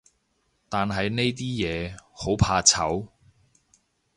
但係呢啲嘢，好怕醜